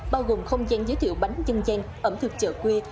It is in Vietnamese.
bao gồm không gian giới thiệu bánh dân gian ẩm thực chợ quê